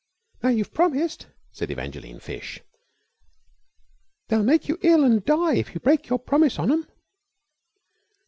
"Now, you've promised," said Evangeline Fish. "They'll make you ill an' die if you break your promise on them."